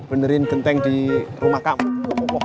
benerin genteng di rumah kamu